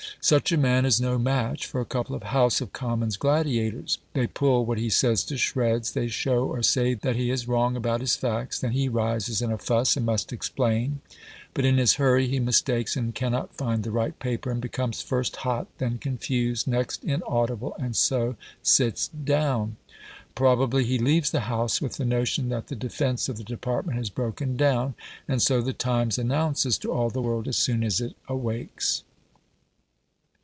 Such a man is no match for a couple of House of Commons gladiators. They pull what he says to shreds. They show or say that he is wrong about his facts. Then he rises in a fuss and must explain: but in his hurry he mistakes, and cannot find the right paper, and becomes first hot, then confused, next inaudible, and so sits down. Probably he leaves the House with the notion that the defence of the department has broken down, and so the Times announces to all the world as soon as it awakes.